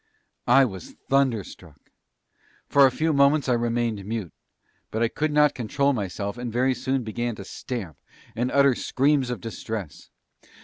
I was thunderstruck. For a few moments I remained mute; but I could not control myself and very soon began to stamp and utter screams of distress.